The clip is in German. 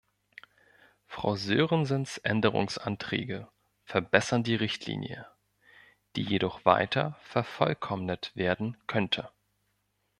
Frau Sörensens Änderungsanträge verbessern die Richtlinie, die jedoch weiter vervollkommnet werden könnte.